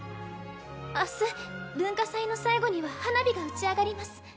明日文化祭の最後には花火が打ち上がります